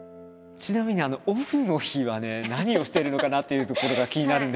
ちなみにオフの日はね何をしてるのかなっていうところが気になるんですよ。